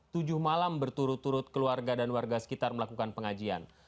tujuh malam berturut turut keluarga dan warga sekitar melakukan pengajian